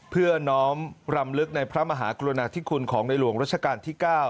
เพื่อน้อมรำลึกในพระมหากรุณาธิคุณของในหลวงรัชกาลที่๙